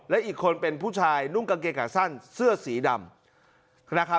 และอีกคนเป็นผู้ชายนุ่งกางเกงขาสั้นเสื้อสีดำ